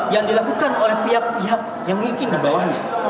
yang dilakukan oleh pihak pihak yang mungkin di bawahnya